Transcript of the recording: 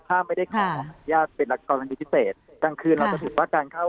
ถ้าไม่ได้ขออนุญาตเป็นกรณีพิเศษกลางคืนเราจะถือว่าการเข้า